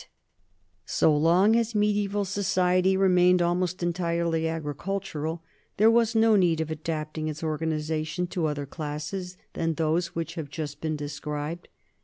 NORMAN LIFE AND CULTURE 159 So long as mediaeval society remained almost en tirely agricultural there was no need of adapting its organization to other classes than those which have just been described.